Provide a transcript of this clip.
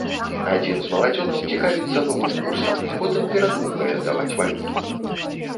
Адзін з маладзёнаў цікавіцца новым курсам, потым перадумвае здаваць валюту.